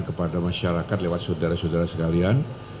kepada masyarakat lewat saudara saudara sekalian